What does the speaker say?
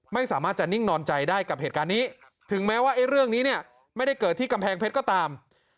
ไม่สามารถจะนิ่งนอนใจได้กับเหตุการณ์นี้ถึงแม้ว่าไอ้เรื่องนี้เนี่ยไม่ได้เกิดที่กำแพงเพชรก็ตาม